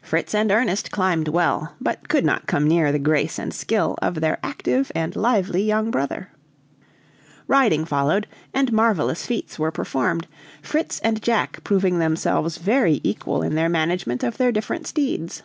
Fritz and Ernest climbed well, but could not come near the grace and skill of their active and lively young brother. Riding followed, and marvelous feats were performed, Fritz and Jack proving themselves very equal in their management of their different steeds.